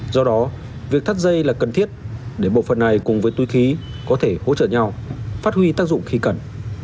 do đó việc thắt dây là cần thiết để bộ phận này cùng với túi khí có thể hỗ trợ nhau phát huy tác dụng khi cần